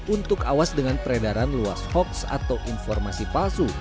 untuk awas dengan peredaran luas hoax atau informasi palsu